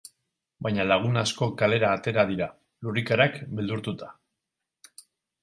Baina lagun asko kalera atera dira, lurrikarak beldurtuta.